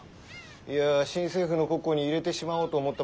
いや新政府の国庫に入れてしまおうと思うた